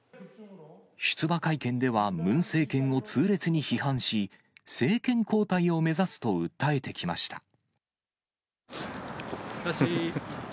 出馬会見では、ムン政権を痛烈に批判し、政権交代を目指すと訴えてきました。